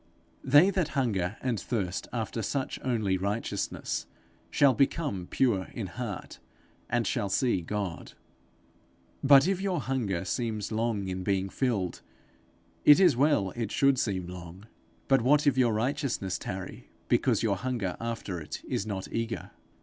They that hunger and thirst after such only righteousness, shall become pure in heart, and shall see God. If your hunger seems long in being filled, it is well it should seem long. But what if your righteousness tarry, because your hunger after it is not eager?